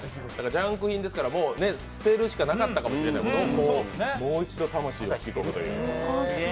ジャンク品ですから捨てるしかなかったかもしれないものをもう一度、魂を吹き込むという。